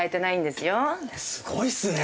すごいっすね！